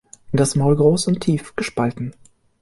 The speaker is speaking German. Das Maul groß und tief gespalten.